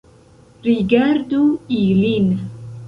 Rigardu ilin